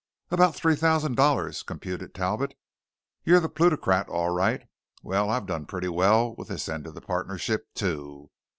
"About three thousand dollars," computed Talbot. "You're the plutocrat, all right. Well, I've done pretty well with this end of the partnership, too.